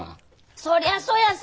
そりゃそうやさ。